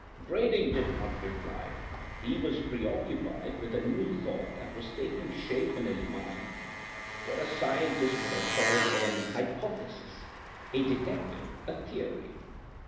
Brading did not reply; he was preoccupied with a new thought that was taking shape in his mind—what a scientist would have called an hypothesis; a detective, a theory.